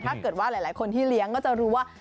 ถ้าเกิดว่าหลายคนที่เลี้ยงก็จะรู้ว่า